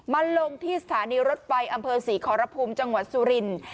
มาลงที่สถานีรถไฟอศรีครภูมิจสุรินทร์